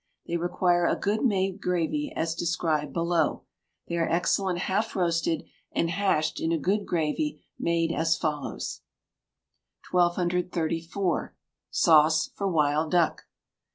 They require a good made gravy, as described below. They are excellent half roasted and hashed in a good gravy made as follows: 1234. Sauce for Wild Duck.